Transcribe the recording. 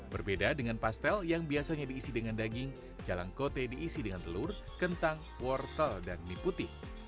berbeda dengan pastel yang biasanya diisi dengan daging jalangkote diisi dengan telur kentang wortel dan mie putih